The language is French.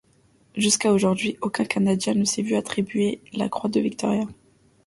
Jusqu'à aujourd'hui, aucun Canadien ne s'est vu attribuer la croix de Victoria.